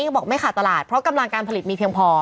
บอกไม่ขาดตลาดเพราะกำลังการผลิตมีเพียงพอ